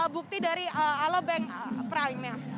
bukti dari ala bank prime nya